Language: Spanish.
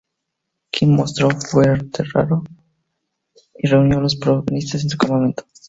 King mostró fuego raro, y reunió a los progresistas en su campamento.